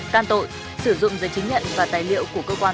tan tội cướp tài sản